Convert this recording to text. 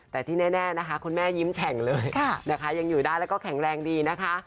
แต่ที่แน่นะคะคุณแม่ยิ้มแฉ่งเลยนะคะยังอยู่ได้แล้วก็แข็งแรงดีนะคะ